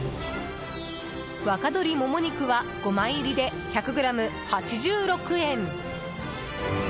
若鶏モモ肉は５枚入りで１００ｇ８６円。